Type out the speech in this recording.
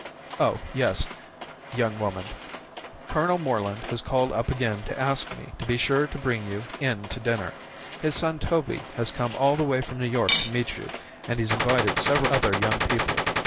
"Oh, yes. Young woman, Colonel Moreland has called up again to ask me to be sure to bring you in to dinner. His son Toby has come all the way from New York to meet you and he's invited several other young people.